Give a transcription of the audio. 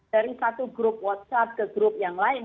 dari satu grup whatsapp ke grup yang lain